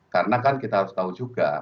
karena kan kita harus tahu juga